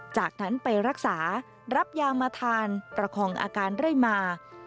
จากนั้นไปรักษารับยามาทานประคองอาการเรื่อยมา